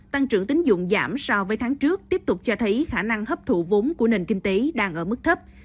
tăng trưởng tính dụng giảm so với tháng trước tiếp tục cho thấy khả năng hấp thụ vốn của nền kinh tế đang ở mức thấp